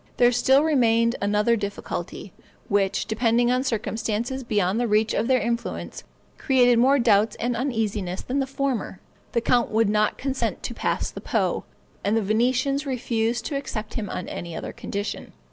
There still remained another difficulty, which, depending on circumstances beyond the reach of their influence, created more doubts and uneasiness than the former; the count would not consent to pass the Po, and the Venetians refused to accept him on any other condition.